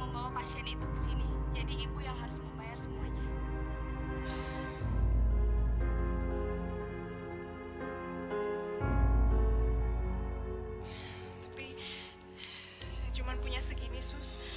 membelokasi itu sini jadi ibu yang harus membayar semuanya tapi cuma punya segini sus